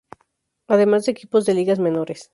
Además de equipos de ligas menores.